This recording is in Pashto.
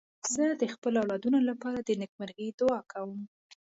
زه د خپلو اولادونو لپاره د نېکمرغۍ دعا کوم.